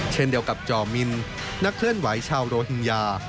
เช่นเดียวกับจอมินนักเคลื่อนไหวชาวโรฮิงญา